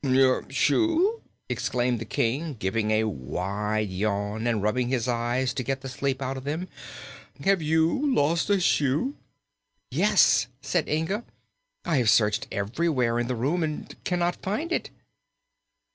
"Your shoe!" exclaimed the King, giving a wide yawn and rubbing his eyes to get the sleep out of them. "Have you lost a shoe?" "Yes," said Inga. "I have searched everywhere in the room, and cannot find it."